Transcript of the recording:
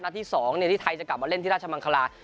ที่๒ที่ไทยจะกลับมาเล่นที่ราชมังคลา